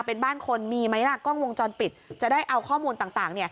เป็นบ้านคนมีไหมล่ะกล้องวงจรปิดจะได้เอาข้อมูลต่าง